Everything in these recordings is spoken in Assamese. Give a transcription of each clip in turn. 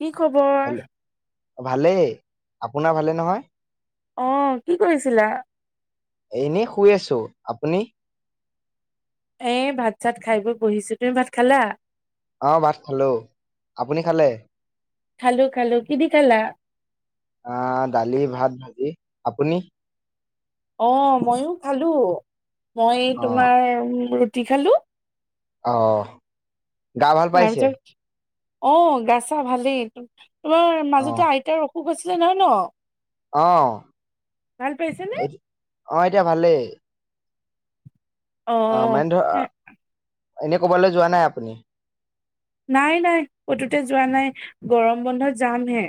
কি খবৰ? ভালে। আপোনাৰ ভালে নহয়? অ' কি কৰিছিলা? এনে শুই আছো। আপুনি? এ ভাত চাত খাই বৈ বহিছো। তুমি ভাত খালা? অহ ভাত খালো। আপুনি খালে? খালো খালো। কি দি খালা? অহ দালি ভাত ভাজি। আপুনি? অ' মইো খালো মই অ তোমাৰ ৰুটি খালো। অহ গা ভাল পাইছে? তাৰপিছত অ' গাছা ভালেই তোমাৰ অ মাজতে আইতাৰ অসুখ আছিলে নহয় ন। অ', ভাল পাইছেনে? অ' এতিয়া ভালেই। অ', এনেই কবালৈ যোৱা নাই আপুনি। নাই-নাই কতোতে যোৱা নাই গৰম বন্ধত যামহে।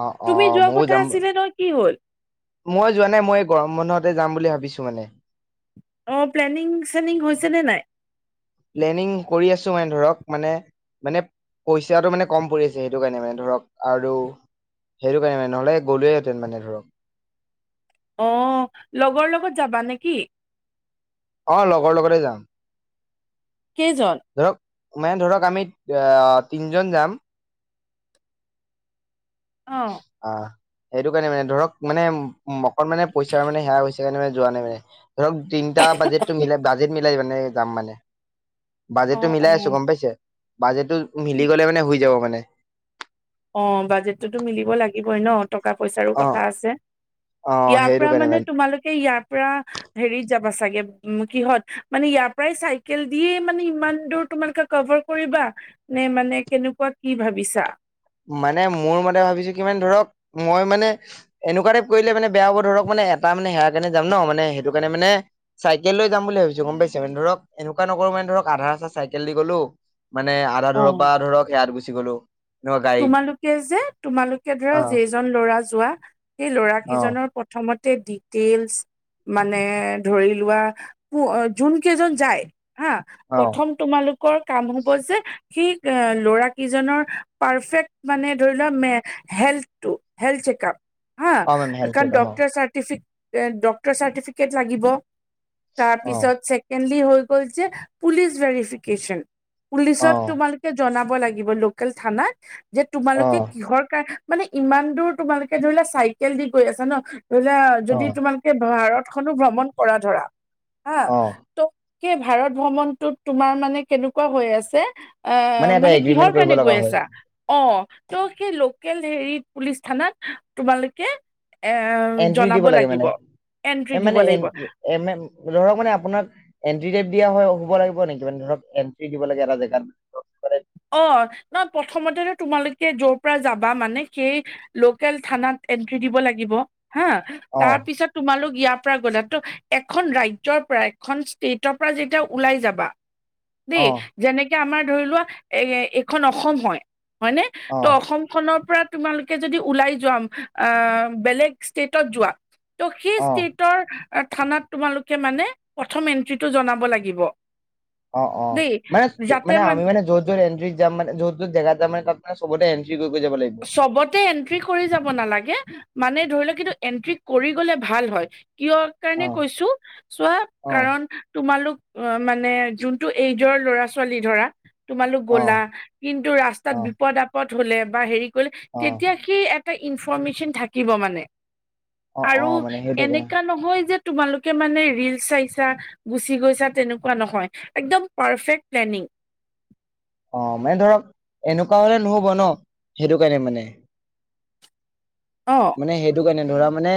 অ অ তুমি যোৱা ময়ো যাম কথা আছিলে ন কি হল? মই যোৱা নাই মই গৰম বন্ধহতে যাম বুলি ভাবিছো মানে। অ, প্লেনিং-চেনিং হৈছে নে নাই। প্লেনিং কৰি আছো মান ধৰক মানে-মানে, পইচাটো মানে কম পৰি আছে সেইটো কাৰণে মানে ধৰক আৰু সেইটো কাৰণে মানে নহলে গ'লোৱেহেঁতেন মানে ধৰক। অ' লগৰ লগত যাবা নেকি? অ' লগৰ লগতে যাম। কেইজন? ধৰক মানে ধৰক আমি অহ তিনজন যাম। অ অ', সেইটো কাৰণে মানে ধৰক মানে অকণ মানে পইচাৰ মানে সেয়া হৈছে কাৰণে মানে যোৱা নাই মানে। ধৰক তিনিটা বাজেটটো মিলাই বাজেট মিলাই মানে যাম মানে। অ', বাজেটটো মিলাই আছো অ', গম পাইছে বাজেটটো মিলি গলে মানে হৈ যাব মানে। অ, বাজেটতোতো মিলিব লাগিবই ন। টকা পইচাৰোঁ অ কথা আছে, অ ইয়াৰ সেইটো পৰা কাৰণে মানে তোমালোকে ইয়াৰ পৰা হেৰি যাব চাগে কিহত মানে ইয়াৰ পৰাই চাইকেল দিয়ে মানে ইমান দূৰ তোমালোকে কভাৰ কৰিবা। নে মানে কেনেকুৱা কি ভাবিছা? মানে মোৰ মতে ভাবিছো কিমান ধৰক মই মানে এনেকুৱা টাইপ কৰিলে মানে বেয়া হ'ব ধৰক মানে, এটা মানে সেয়া কাৰণে যাম ন মানে সেইটো কাৰে মানে চাইকেল লৈ যাম ভাবিছো গম পাইছে, মানে ধৰক এনেকুৱা নক মানে ধৰক আধা আচা চাইকেল দি গলো মানে আধা দূৰৰ অ'। পৰা ধৰক সেয়াত গুচি গলো। এনেকুৱা গাড়ীত তোমালোকে যে তোমালোকে ধৰা অ যেইজন ল'ৰা যোৱা সেই লৰা অ কেইজনৰ প্ৰথমত, ডিটেইলচ মানে ধৰি লোৱা যোন কেইজন যায় হা অ প্ৰথম তোমালোকৰ কাম হব যে সি এ ল'ৰা কেইজনৰ পাৰফেক্ট মানে ধৰি লোৱা হেল্থটো হেল্থ চেকআপ হা অ মেম হেল্থ চেকআপ কাৰাৰ্টিট লাগিব অ তাৰপিছত ছেকেণ্ডলি হৈ গল যে পুলিচ ভেৰিফিকেশ্যন অ পুলিচত তোমালোকে জনাব লাগিব লোকেল থানাত যে অ অ তোমালোকে কিহৰ কাৰ মানে ইমান দূৰ তোমালোকে ধৰিলোৱা চাইকেল দি গৈ আছা ন ধৰিলোৱা অ যদি তোমালোকে ভাৰত খো ভ্ৰমণ কৰা ধৰা হা অ ত' স ভাৰত ভ্ৰমণটোত তোমাৰ মানে কেনেকুৱা হৈ আছে অ এটা মানে এগ্ৰিমেন্ট কিহৰ কৰিব কাৰণে লগা গৈ আছে হয় অ ত' সেই লোকেল হেৰি পুলিচ থানাত তোমালোকে এ এন্ট্ৰি জনাব দিব লাগে লাগিব মানে এন্ট্ৰি দিব মানে এ লাগিব ধৰক মানে আপোনাৰ ্ৰ দিয়া হয় হব লাগিব নেকি মানে ধৰক এণ্ট্ৰি দিব লাগে এটা জোত অ নহ প্ৰথমতেো তোমালোকে যৰ পৰা যাবা মানে সেই লোকেল থানাত এন্ট্ৰি দিব লাগিব হা অ তাৰ পিছত তোমালোক ইয় গ'লাত ত এখন ৰাজ্যৰ পৰা এখন ষ্টেটৰ পৰা যেতিয়া ওলাই যাবা অ দেই যেনেকে আমাৰ ধৰি লোৱা এ এইখন অসম হয় হয়নে অ ত' অসম খনৰ পৰা তোমালোকে যদি ওলাই যাম আহ বেলেগ ষ্টেটত যোৱা ত' সেই অ ষ্টটৰ থানাত তোমালোকে মানে প্ৰথম এন্ট্ৰিটো জনাব লাগিব অ অ দেই মানে মানে আমি মানে যত য'ত এড্ৰিজ য মান য'তোৰ জেগাত য মানে চবতে আন চবতে এন্ট্ৰি কৰি যাব নালাগে মানে ধৰি লও কিন্তু এন্ট্ৰি কৰি গলে ভাল হয় কিয় কাৰণে অ কৈছো চোৱা অ কাৰণ তোমালোক অ মানে যোনটো এইজৰ ল'ৰা ছোৱালী ধৰা তোমালোক অ গ'লা কিন্তু ৰাস্তাত অ বিপদ আপদ হলে বা হেৰি কৰিলে অ তেতিয়া সি এটা ইনফৰমেশচন থাকিব মানে অ অ আৰু মানে সেইটো কাৰণে এনেকুৱা নহৈ যে তোমালোকে মানে ৰিল চাইছা গুচি গৈছা তেনেকুৱা নহয় একদম পাৰফেক্ট প্লেনিং অ মানে ধৰক এনেকুৱা হলে নহব ন সেইটো কাৰণে মানে অ মানে সেইটো কাৰণে ধৰা মানে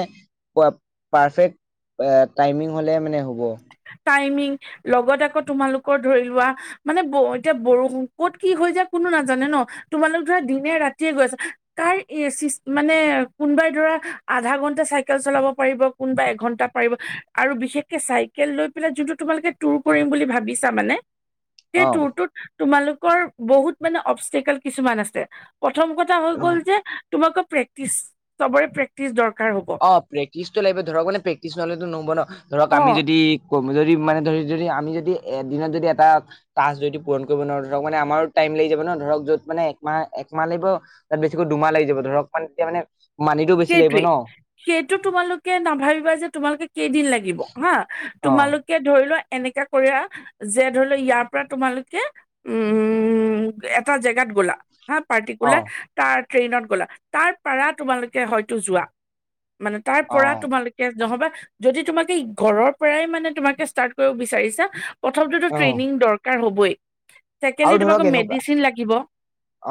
পাৰফেক্ট টাইমিং হলে মানে হ'ব াইমিং লগত আকৌ তোমালোকৰ ধৰি লোৱা মানে এতিয়া বৰষুণ ক'ত কি হৈ য য়া কোনো নাজানে ন তোমালোক ধৰা দিনে ৰাতিয়ে গৈ আছা কাৰ মানে কোনবাই ৰা আধা ঘন্টা চাইকেল চলাব পাৰিব কোনোবা এঘন্টা পাৰিব আৰু বিশেষকে চাই েল লৈ পেলাই যোনটো তোমালোকে টুৰ কৰিম বুলি ভাবিছা মানে সেই অ টুৰটোত তোমালোকৰ বহুত মানে অবষ্টেকেল কিছুমান আছে প্ৰথম কথা হৈ গল যে তোমাকৌ প্ৰেক্টিচ চবৰে প্ৰেক্টিচ দৰকাৰ হ'ব অ প্ৰেক্টিচটো লাগিব ধৰক মানে প্ৰেক্টিচ নহলেতো নহব ন ধৰক অ আমি যদি য মানে ধ যদি আমি যদি এদিনত যদি এটা ্ যদি পূৰণ কৰিব নোৱাৰোঁ ধৰক মানে আমাৰ টাইম লাগি যাব ন ধৰক যত মানে একমাহ একমাহ লাগিব তাত বেছিকৈ দুমাহ লাগি যাব ধৰক মানে তেতিয়া মানে মানিটো বেছি লাগিব সেইটোৱেই ন সেইটো তোমালোকে নাভাবিবা যে তোমালোকে কেইদিন লাগিব হা অ তোমালোকে ধৰি লোৱা এনেককা কৰি যে ধৰি লও ইয়াৰ পৰা তোমালোকে উম এটা জেগাত গলা হা অ পাৰ্টিকুলাৰ তাৰ ট্ৰেইনত গ'লা তাৰপাৰা তোমালোকে হয়তো যোৱা মানে তাৰ অ পৰা তোমালোকে নহবা যদি তোমাকে ঘৰৰ পৰাই মানে তোমাকে ষ্টাৰ্ট কৰিব বিচাৰিছা অ আৰু ধৰক এনেকুৱা [unintelligible]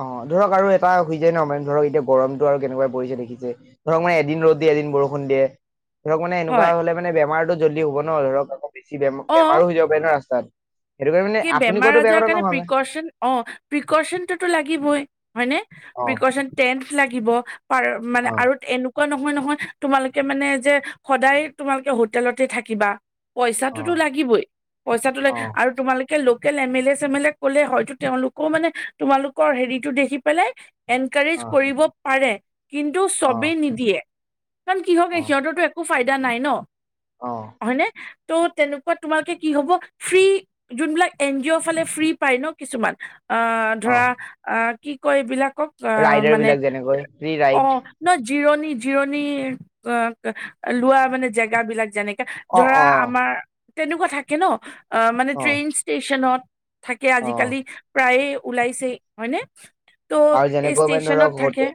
অ ধৰক আৰু এটা হৈ যায় ন মানে ধৰক এতিয়া গৰমতটো আৰু কেনেকুৱা পৰিছে দেখিছে ধৰাক মানে এদিন ৰ'দ এদিন বৰষুণ দিয়ে ধৰক মানে এনেকুৱা হয় হলে মানে বেমাৰো জল্দি হব ন ধৰক আকৌ বেছি অ বেমাৰো হৈ যাব পাৰে ন ৰাস্তাত সেইটো কাৰণে মানে কি আপুনি বেমাৰ কোৱাটো বেয়া আজাৰৰ কথা কাৰণে নহয় মানে প্ৰিকচন অ প্ৰিকচনটোতো লাগিবই হয় ন অ প্ৰিকচন টেন্ লাগিব প মানে অ আৰু এনেকোৱা কোৱা নহয় নহয় তোমালোকে মানে যে সদায় তোমালোকে হোটেলতে থাকিবা পইচাতো অ লাগিবই পইচা অ লাগিবই আৰু তোমালোকে local M L A same L A কলে হয়তো তেওঁলোকেও মানে তোমালোকৰ হেৰিতো দেখি পেলাই এনকাৰেজ অ কৰিব পাৰে কিন্তু অ চবেই নিদিয়ে কাৰণ কিহক অ সিহঁতৰো একো ফাইদা নাই ন অ হয়নে ত' তেনেকুৱা তোমালোকে কি হ'ব ফ্ৰী যোনবিলাক এন জি অ' ফালে ফ্ৰী পায় ন কিছুমান অ অ ধৰা অ কি কয় এইবিলাক ৰাইডাৰ মানে বিলাক যেনেকৈ ফ্ৰী অ ৰাইড জিৰণি জিৰণি লোৱা মানে জেগা বিলাক যেনেকাে অ ধৰা অ আমাৰ তেনেকুৱা থাকে ন অ মানে ট্ৰেইন ষ্টেচনত থাকে অ আজিকালি প্ৰায়ে ওলাইছে হয়নে ত' আৰু এই যেনেকৈ মানে ষ্টচনত ধৰক থাকে। হোটে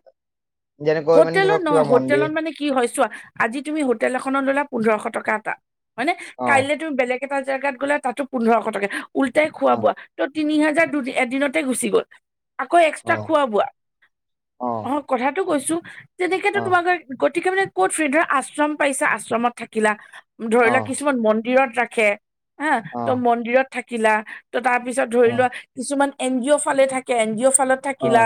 যেনেকৈ মানে হোটেলত ধৰক নহ কিবা মন্দিৰ হোটেলত মানে কি হয় চোৱা আজি তুমি হোটেল এখনত ল'লা পোন্ধৰশ টকা এটা হয় নে অ কাইলৈ তুমি বেলেগ এটা জেগাত গ'লে তাতো পোন্ধৰশ টকা উলটাই খোৱা অ বোৱা ত তিনি হাজাৰ দু এদিনতে গুচি গ'ল আকৌ এক্সট্ৰা অ খোৱা বোৱা অ কথাতটো কৈছো তেনেকেতো অ তোমাৰ গতিকে মানে ক'ত ফ্ৰে ধৰা আশ্ৰম পাইছো আশ্ৰমত থাকিলা ধৰি অ লোৱা কিছুমান মন্দিৰত ৰাখে হা ত মন্দিৰত থাকিলা ত তাৰপিছত ধৰি অ লোৱা কিছুমান এন জি অ' ফালে থাকে এন জি অ' ফালত অ থাকিলা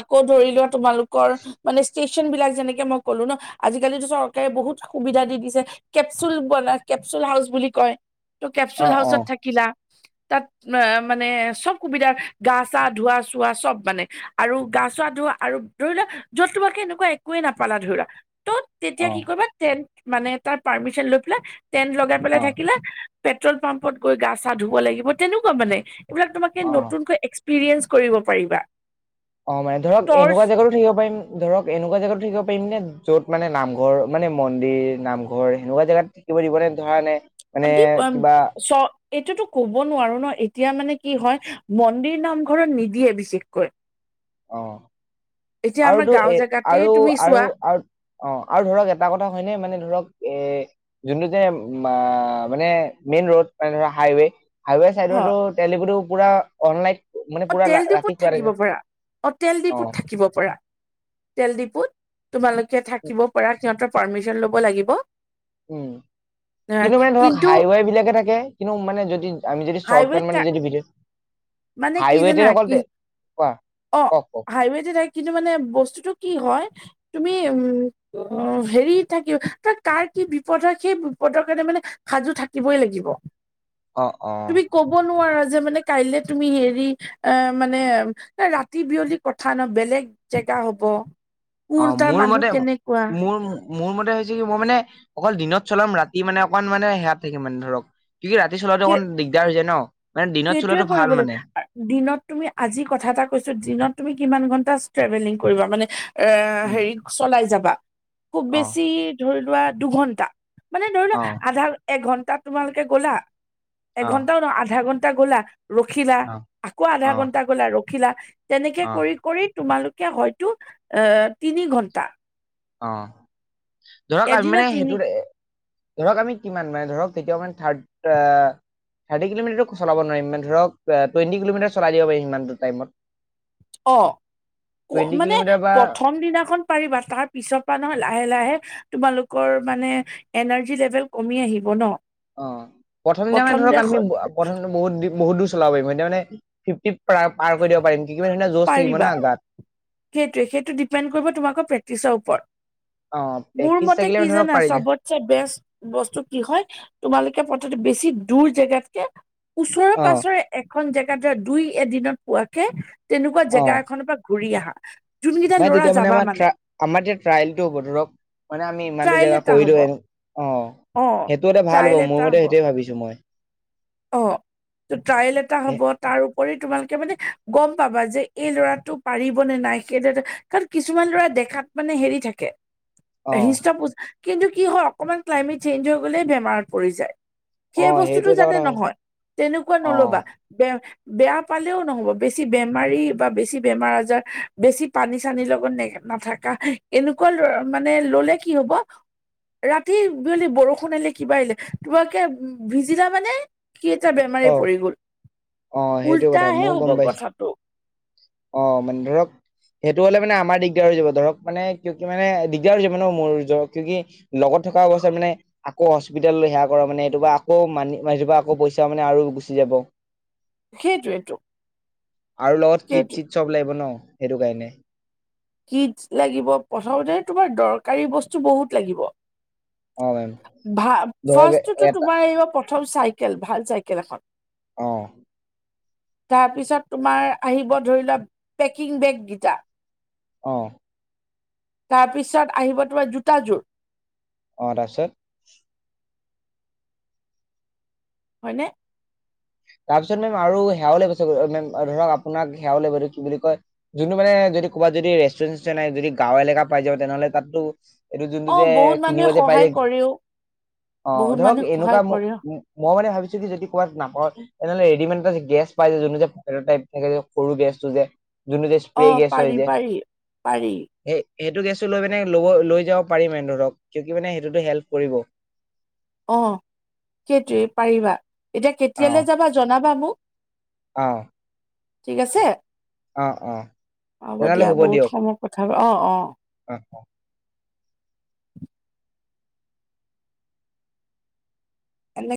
আকৌ ধৰি লোৱা তোমালোকৰ মানে ষ্টেচন বিলাক যেনেকে মই ক'লো ন আজিকালিতটো চৰকাৰে বহুত সুবিধা দিছে কেপচুল বন কেপচুল হাউচ বুলি কয় ত অ কেচুল অ হাউচ [unintelligible] আৰু গা চা ধোৱা আৰু ধৰি লোৱা যত তোমাকে এনেকুৱা একোৱয়ে নাপালা ধৰি লোৱা ত' অ তেতিয়া কি কৰিবা টেণ্ট মানে তাৰ পাৰ্মিশন লৈ পেলাই টেন্ট লগাই পেলাই অ থাকিলে পেট্ৰল পাম্পত গৈ গা চা ধুব লাগিব তেনেকুৱা মানে এইবিলাক তোমাকে অ নতুনকৈ এক্ এক্সপিৰিয়েন্ঞ্চ কৰিব পাৰিবা। অ মানে ধৰক টৰ্চ এনেকুৱা জাগগাতো থাকিব পাৰিম ধৰক এনেকুৱা এনেকুৱা জেগাতো থাকিব পাৰিম নে য'ত মানে নামঘৰ মানে মন্দিৰ নামঘৰ সেনেকুৱা জাগাত থাকিব দিবনে ধৰা নে মানে দিব কিবা চ এইটোতো কব নোৱাৰো ন এতিয়া মানে কি হয় মন্দিৰ নামঘৰত নিদিয়ে বিশেষকৈ অ [unintelligible] আমাৰ আৰুতো গাঁও এ জেগাতে আৰু, তুমি আৰু, চোৱা আৰু অ আৰু ধৰক এটা কথা হয়নে মানে ধৰক এ যোনটো যে মানে মেইন ৰোড মানে ধৰা হাইৱে হাইৱে হ চাইডটো তেগুটো পুৰা অনলাইন মানে অ পুৰা তেল ডিপুত ৰাতি খুৱ থাকিব থাকে পাৰা অ তেল অ ডিপুত থাকিব পৰা তেল ডিপুত তোমালোকে থাকিব পৰা সিহঁতৰ পাৰ্মিছিন লব লাগিব। উম কিন্তু মানে ধৰক হাইৱে বিলাকে থাকে কিন্তু মানে যদি আমি যদি শৰ্টকাট হাইৱেত মানে যদি মানে কি হাইৱেতে যানা অকল কি দে- কোৱা অ কওক কওক হাইৱেড থাই কিন্তু মানে বস্তুতটো কি হয় তুমি উম হেৰি থাকি ত কাৰ কি বিপদ হয় সেই বিপদৰ কাৰণে মানে সাজু থাকিবই লাগিব অ অ তুমি কব নোৱাৰা যে মানে কাইলে তুমি হেৰি এ মানে ৰাতি বিয়লি কথা ন বেলেগ জেগা হ'ব। অ কোন তাৰ মোৰ মতে মানুহ কেনেকুৱা মোৰ মোৰ মতে হৈছে কি মই মানে অকল দিনত চলাম ৰাতি মানে অকমান মানে সেয়াাত থাকিম মানে ধৰক কি কি ৰাতি চলাটো অকণ দিগদাৰ হৈ যায় ন মানে দিনত সেইটোৱে চলোৱাটো ভাল কৰিব লাগ মানে দিনত তুমি আজি কথা এটা কৈছো দিনত তুমি কিমান ঘণ্টা ট্ৰেভেলিং কৰিবা মানে এ উম হেৰি চলাই যাবা খুব অ বেছি ধৰি লোৱা দুঘন্টা মানে ধৰি অ লোৱা আধা এঘন্টা তোমালোকে গলা অ এঘন্টাও ন আধা ঘণ্টা গলা ৰখিলা অ আকৌ আধা অ ঘন্টা গলা ৰখিলা তেনেকে অ কৰি কৰি তোমালোকে হয়তো এ তিনি ঘন্টা অ ধৰক আমি মানে এদিনত তিনি সেইটো ধৰক আমি কিমান মানে ধৰক কেতিয়াও মানে থাৰ্ড থাৰ্টি কিলোমিটাৰত চলাবোৱাৰিম ইান ধৰক টুৱেণ্টি কিলোমিটাৰ চলাই দিব পাৰিম ইমানটো টাইমত অ ক টুৱেণ্টি মানে কিলোমিটাৰ বা প্ৰথম দিনাখন পাৰিবা তাত পিছৰ পৰা নহয় লাহে লাহে তোমালোকৰ মানে এনাৰ্জি লেভেল কমি আহিব ন অ প্ৰথম এতিয়া মানে ধৰক আমি প্ৰথম বহুত বহুত দূৰ চলাব পাৰিম এতিয়া মানে ফিফটি াৰ কৰি দিব পাৰি নিব পাৰিবা সেইটোৱে সেইটো ডিপেড কৰিব তোমাকৰ প্ৰেক্টিচৰ ওপৰত অ মোৰ প্ৰেক্টিচ মতে থাকিলে কি মানে ধৰক জানা পাৰি যায় চবতছেে বেষ্ট বস্তু কি হয় তোমালোকে বেছি দূৰ জেগাতকে ওচৰে অ পাছৰে এখন জেগাত ধৰা দুই এদিনত পোৱাকে তেনেকুৱা জেগা এখনৰ পৰা ঘুৰি আহা যোনকেইটা মান ল'ৰা তেতিয়া মানে যাবা আমাৰ আমাৰ এতিয়া ট্ৰাইেলটো হ'ব ধৰক মানে আমি ইমানটোো ট্ৰায়েল জেগা এটা হ'ব কৰিলো এো অ সেইটো এটা ভাল ট্ৰায়েল হ'ব এটা মোৰ মতে সেইটোৱয়ে ভাবিছো মই অ ট্ৰায়েল এটা এ হ'ব তাৰ উপৰি তোমালোকে মানে গম পাবা যে এই ল'ৰাটো পাৰিব নে নাই সেই লৰা কাৰণ কিছুমান ল'ৰা দেখাত মানে হেৰি থাকে অ হৃষ্ট পোজ কিন্তু কি হয় অকমান নডজ চেঞ্জ হৈ গ'লেই বেমাৰত পৰি যায় অ সেই সেইটো বস্তুতটো এটা জানতে কথা হয় নহয় তেনেকুৱা অ নলবা ব বেয়া পালেও নহ'ব বেছি বেমাৰী বা বেছি বেমাৰ আজাৰ বেছি পানী চানীৰ লগত নোগ নাথাককা এনেকুৱা মানে ললে কি হব ৰাতি বিয়লি বৰষুণ আহিলে কিবা আহিলে তোমাকে ভিজিলা মানে কি এটা বেমাৰ অ পৰি গল অ সেইটো কথা উল্টাহে ময়ও হ'ব গম পাইছো কথাটো অ মানে ধৰক সেইটো হলে মানে আমাৰ দিগদাৰ হৈ যাব ধৰক মানে কিয় কি মানে দিগদাৰ হৈ যাব ন মোৰ কিয় কি লগত থকা অৱস্থাত মানে আকৌ হস্পিতেেল লৈ সেৱা কৰা মানে এইটোপা আকৌ মান মানপা আকৌ পইচা মানে আৰু গুচি যাব সেইটোেইটো আৰু লগত কিট চট চব লাগিব ন সেইটো কাৰণে কিড লাগিব প্ৰথমতে তোমাৰ দৰকাৰী বস্তু বহুত লাগিব অ মেম ভ ধৰক ফাৰ্ষতো এটা তোমাৰ আহিব প্ৰথম চাইকেল ভাল চাইকেল এখন আহ তাৰপিছত তোমাৰ আহিব ধৰি লোৱা পেকিং বেগকিটাণধধধ আহ তাৰপিছত আহিব তোমাৰ জোতাযোৰ অ ত আছত হয়নে তাৰপিছত মেম আৰু সেয়াও ল গৈছেম ধৰক আপোনাক সেৱও ল কি বুলি কয় যোনটো মানে যদি ক'ৰবাত যদি ৰেষ্টুৰেণ্টাই যদি গাঁও এলেকা পাই যাব তেনেহলে তাতো এইটো যোনটো অ যে বহুত কিনিব মানুহে যে পাই সহায় যে কৰেও অ বহুত ধৰক মানুহে এনেকুৱা সহায় ম কৰে মই মানে ভাবিছো কি যদি ক'বাত নাপাওঁ এনেহ'লেৰেডিমেড এটা গেছ পাই যে যোনটো যে ভ টাইপ থাকে যে সৰু গেছটো যে যোন যে অ স্প্ৰে গেছ হৈ পাৰি যে পাৰি পাৰি সেই সেইটো গেছটো লৈ মানে লব লৈ যাব পাৰিমে ধৰক ক মানে সেইটোতো হেল্প কৰিব অ সেইটোৱে পাৰিবা এতিয়া অ কেতিয়ালৈ যাবা জনাবা মোক অ' ঠিক আছে, অ অ হব দিয়া বহুত সময় কথা অ' অ'। হয়। এনে